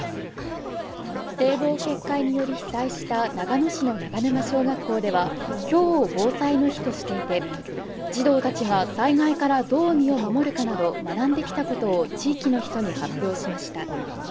堤防決壊により被災した長野市の長沼小学校では今日を防災の日としていて、児童たちが災害からどう身を守るかなど学んできたことを地域の人に発表しました。